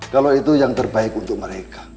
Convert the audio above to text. kalau itu yang terbaik untuk mereka